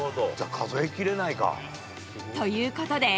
数え切れないか。ということで。